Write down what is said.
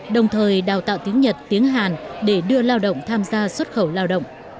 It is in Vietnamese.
đồng thời đào tạo tiếng nhật tiếng hàn để đưa lao động tham gia xuất khẩu lao động